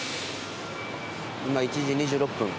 今１時２６分。